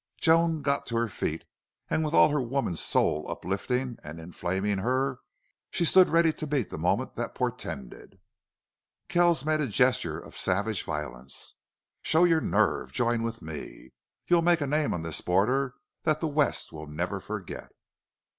Joan got to her feet, and with all her woman's soul uplifting and inflaming her she stood ready to meet the moment that portended. Kells made a gesture of savage violence. "Show your nerve!... Join with me!... You'll make a name on this border that the West will never forget!"